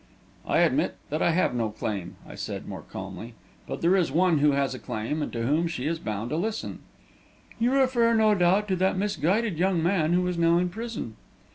"I admit that I have no claim," I said, more calmly. "But there is one who has a claim, and to whom she is bound to listen." "You refer, no doubt, to that misguided young man who is now in prison."